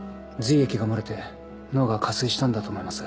髄液が漏れて脳が下垂したんだと思います。